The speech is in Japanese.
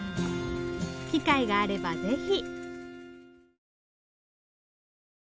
機会があればぜひ！